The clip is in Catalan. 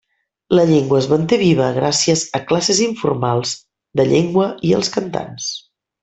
La llengua es manté viva gràcies a classes informals de llengua i als cantants.